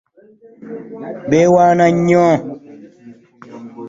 Beewalana nnyo.